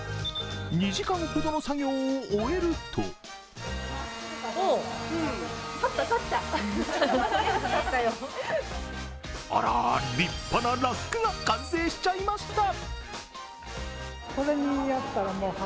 ２時間ほどの作業を終えるとあら、立派なラックが完成しちゃいました。